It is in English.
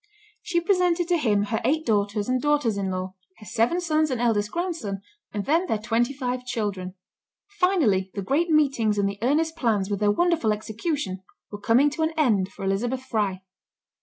She presented to him her eight daughters and daughters in law, her seven sons and eldest grandson, and then their twenty five grandchildren. Finally, the great meetings, and the earnest plans, with their wonderful execution, were coming to an end for Elizabeth Fry.